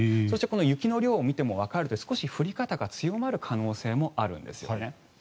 そして、この雪の量を見てもわかりますが少し降り方が強まる可能性もあるんですよね。